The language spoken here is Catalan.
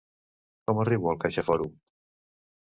Com arribo al CaixaForum?